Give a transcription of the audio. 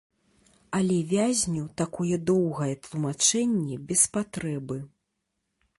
Але вязню такое доўгае тлумачэнне без патрэбы.